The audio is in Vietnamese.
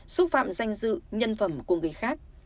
xúc phạm danh dự nhân phẩm của người khác